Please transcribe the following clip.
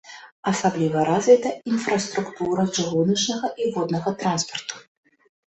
Асабліва развіта інфраструктура чыгуначнага і воднага транспарту.